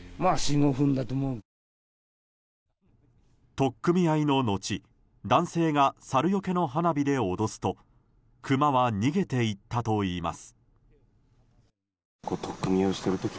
取っ組み合いののち男性がサルよけの花火で脅すとクマは逃げていったといいます。